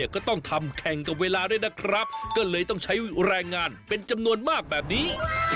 ก็เลยต้องใช้แรงงานเป็นจำนวนมากแบบนี้